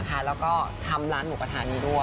แล้วก็ทำร้านหมูกระทะนี้ด้วย